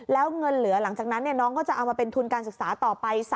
แล้วเงินเหลือหลังจากนั้นน้องก็จะเอามาเป็นทุนการศึกษาต่อไป